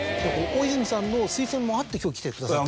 大泉さんの推薦もあって今日来てくださった。